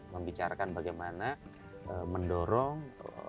membicarakan bagaimana mendorong